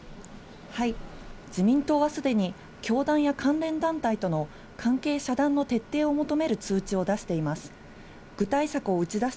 自民党はすでに、教団や関連団体との関係遮断の徹底を求める通知を出しています。